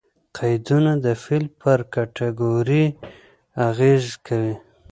قیدونه د فعل پر کېټګوري اغېز کوي.